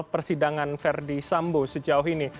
persidangan verdi sambo sejauh ini